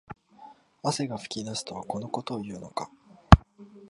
汗が噴き出すとはこのことを言うのか